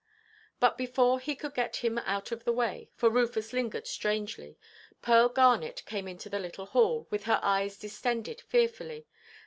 But, before he could get him out of the way—for Rufus lingered strangely—Pearl Garnet came into the little hall, with her eyes distended fearfully.